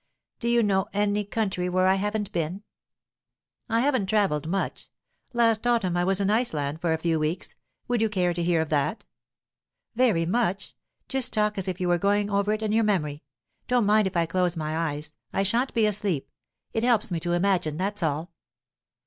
Do you know any country where I haven't been?" "I haven't travelled much. Last autumn I was in Iceland for a few weeks; would you care to hear of that?" "Very much. Just talk as if you were going over it in your memory. Don't mind if I close my eyes; I shan't be asleep; it helps me to imagine, that's all."